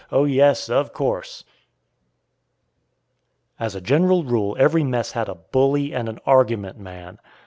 Oh yes, of course!_" As a general rule every mess had a "Bully" and an "Argument man."